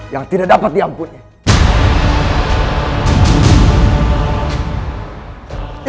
yang tidak dapat diampuni